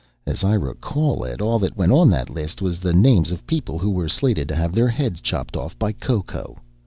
"As I recall it, all that went on that list was the names of people who were slated to have their heads chopped off by Ko Ko.